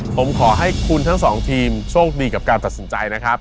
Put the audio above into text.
ผมขอให้คุณทั้งสองทีมโชคดีกับการตัดสินใจนะครับ